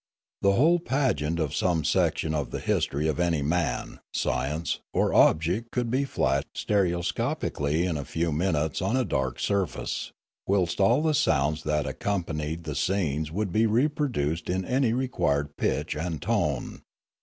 The whole pageant of some section of the history of any man, science, or object could be flashed stereoscopically in a few minutes on a dark surface, whilst all the sounds that accompanied the scenes would be reproduced in any required pitch and tone.